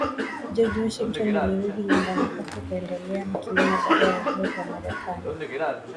George Washington alirudi nyumbani kwake kuendelea na kilimo baada ya uhuru wa marekani